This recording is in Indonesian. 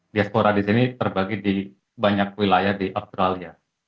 diaspora di sini terbagi di banyak wilayah di australia